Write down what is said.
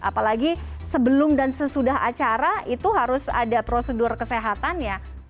apalagi sebelum dan sesudah acara itu harus ada prosedur kesehatan ya